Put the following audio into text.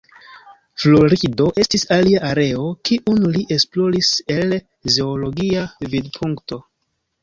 Florido estis alia areo kiun li esploris el zoologia vidpunkto.